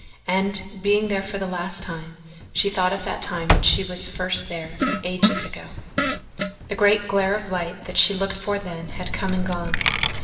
And being there for the last time she thought of that time when she was first there ages ago. The great glare of light that she looked for then had come and gone.